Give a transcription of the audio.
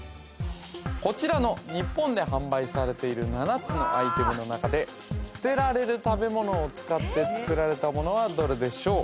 こちらの日本で販売されている７つのアイテムの中で捨てられる食べ物を使って作られたものはどれでしょう？